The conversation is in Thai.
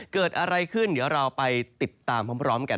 เกิดอะไรขึ้นเดี๋ยวเราไปติดตามพร้อมกัน